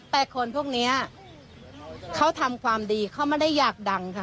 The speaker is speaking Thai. แต่คนพวกนี้เขาทำความดีเขาไม่ได้อยากดังค่ะ